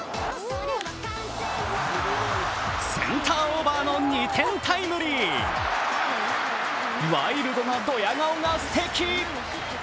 センターオーバーの２点タイムリーワイルドなどや顔がすてき。